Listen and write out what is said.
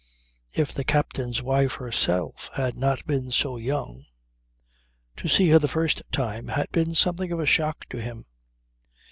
if the captain's wife herself had not been so young. To see her the first time had been something of a shock to him.